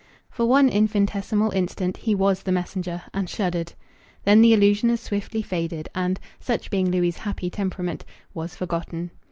For one infinitesimal instant he was the messenger; and shuddered. Then the illusion as swiftly faded, and such being Louis' happy temperament was forgotten.